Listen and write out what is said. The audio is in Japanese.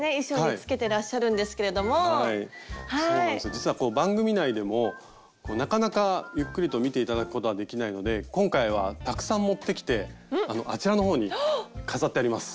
実は番組内でもなかなかゆっくりと見て頂くことはできないので今回はたくさん持ってきてあのあちらの方に飾ってあります。